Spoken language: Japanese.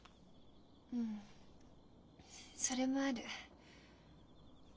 うんそれもある。